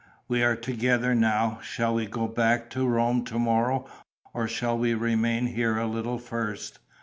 We are together now. Shall we go back to Rome to morrow or shall we remain here a little first?